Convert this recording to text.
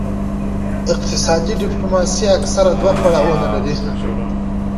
اقتصادي ډیپلوماسي اکثراً دوه پړاوونه لري